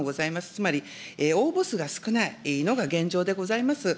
つまり応募数が少ないのが現状でございます。